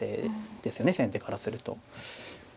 先手からすると。